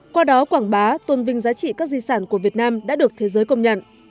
qua đó quảng bá tôn vinh giá trị các di sản của việt nam đã được thế giới công nhận